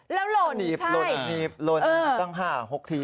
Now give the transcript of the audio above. แล้วหล่นใช่หนีบหล่นตั้ง๕๖ที